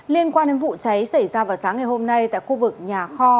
liên quan đến vụ cháy xảy ra vào sáng ngày hôm nay tại khu vực nhà kho